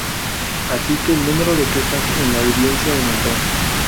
Así que el número de quejas en la Audiencia aumentó.